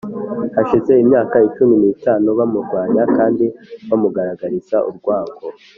hashize imyaka cumi n’itati bamurwanya kandi bamugaragariza urwango,